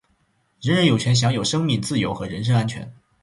人人有权享有生命、自由和人身安全。